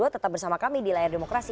tetap bersama kami di layar demokrasi